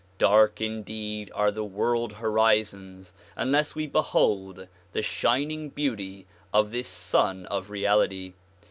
Dark indeed are the world horizons unless we behold the shining beauty of this Sun of Reality.